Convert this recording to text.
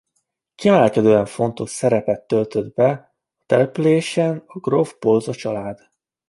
Kiemelkedően fontos szerepet töltött be a településen a gróf Bolza család.